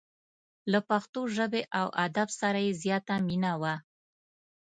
له پښتو ژبې او ادب سره یې زیاته مینه وه.